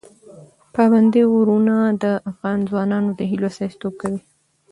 پابندی غرونه د افغان ځوانانو د هیلو استازیتوب کوي.